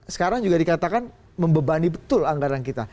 sekarang juga dikatakan membebani betul anggaran kita